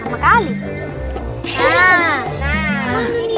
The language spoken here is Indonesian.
kenapa kan dari kemarin